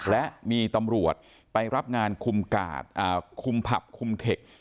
และมีตำรวจไปรับงานคุมกาดคุมผับคุมเทค